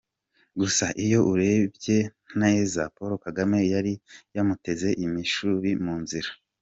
Gusa iyo urebye neza Paul Kagame yari yamuteze imishubi mu nzira.